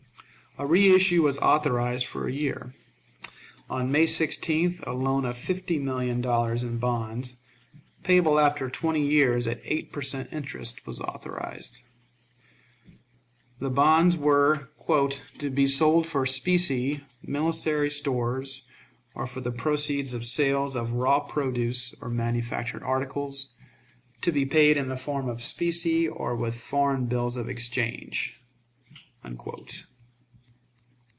A reissue was authorized for a year. On May 16th a loan of fifty million dollars in bonds, payable after twenty years at eight per cent. interest, was authorized. The bonds were "to be sold for specie, military stores, or for the proceeds of sales of raw produce or manufactured articles, to be paid in the form of specie or with foreign bills of exchange."